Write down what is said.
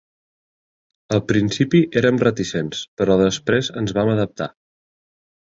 Al principi érem reticents, però després ens vam adaptar.